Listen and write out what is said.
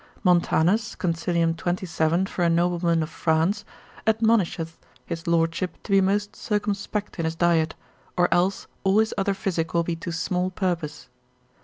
Montanus, consil. 27. for a nobleman of France, admonisheth his lordship to be most circumspect in his diet, or else all his other physic will be to small purpose.